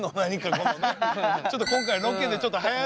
ちょっと今回ロケでちょっと早めに。